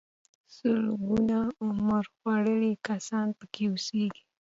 سلګونه عمر خوړلي کسان پکې اوسيږي.